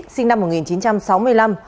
sinh năm một nghìn chín trăm sáu mươi năm